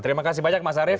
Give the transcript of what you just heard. terima kasih banyak mas arief